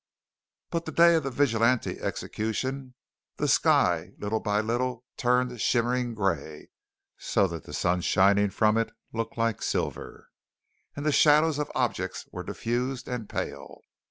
But the day of the Vigilante execution the sky little by little turned shimmering gray; so that the sun shining from it looked like silver; and the shadows of objects were diffused and pale.